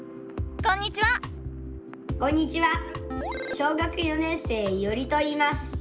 小学４年生いおりといいます。